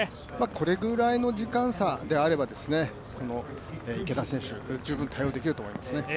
これぐらいの時間差であれば池田選手十分対応できると思いますね。